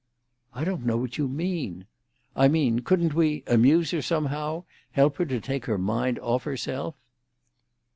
"I don't know what you mean." "I mean, couldn't we—amuse her somehow? help her to take her mind off herself?"